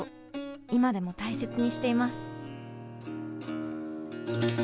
今でも大切にしています。